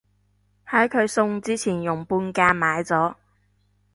喺佢送之前用半價買咗